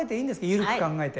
緩く考えて？